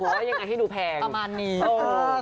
หัวเราะยังไงให้ดูแพงประมาณนี้โอ้อ